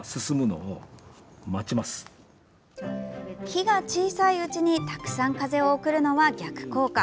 火が小さいうちにたくさん風を送るのは逆効果。